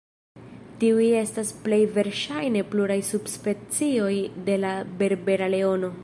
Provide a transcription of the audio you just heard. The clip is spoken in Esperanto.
Tiuj estas plej verŝajne puraj subspecioj de la berbera leono.